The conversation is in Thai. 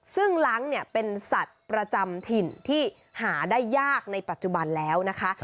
ซึ่งล้างเนี่ยเป็นสัตว์ประจำถิ่นที่หาได้ยากในปัจจุบันแล้วนะคะ